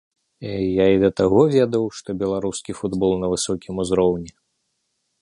Я і да таго ведаў, што беларускі футбол на высокім узроўні.